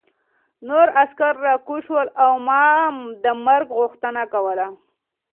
نور عسکر راکوز شول او ما د مرګ غوښتنه کوله